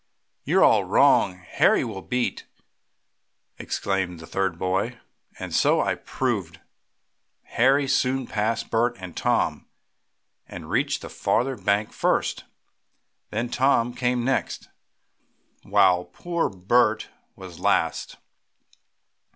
"You're all wrong, Harry will beat!" exclaimed a third boy, and so it proved. Harry soon passed Bert and Tom, and reached the farther bank first. Then Tom came next, while poor Bert was last.